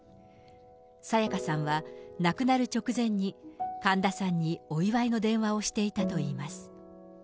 沙也加さんは亡くなる直前に、神田さんにお祝いの電話をしていたといいます。